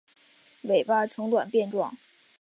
尾巴呈短鞭状。